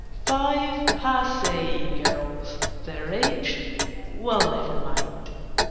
Five passé girls—Their age? Well, never mind!